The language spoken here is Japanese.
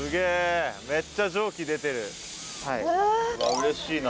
うれしいな。